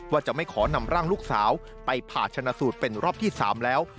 ว่าจะไม่ขอนำร่างลูกสาวไปผ่าชนะสูตรเป็นรอบที่๓แล้ว